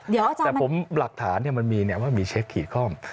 แต่ผมหลักถามันมีว่ามีเช็คขีดคล่อม